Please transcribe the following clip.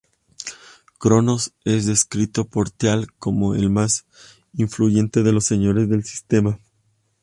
Cronos es descrito por Teal'c como el más influyente de los Señores del Sistema.